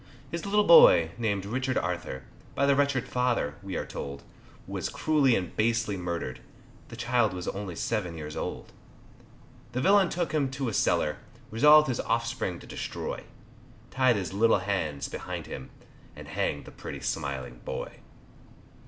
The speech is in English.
His little boy named Richard Arthur, By the wretched father, we are told, Was cruelly and basely murdered, The child was only seven years old; The villain took him to a cellar, Resolved his offspring to destroy, Tied his little hands behind him, And hanged the pretty smiling boy.